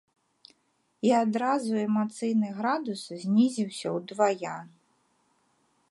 І адразу эмацыйны градус знізіўся удвая.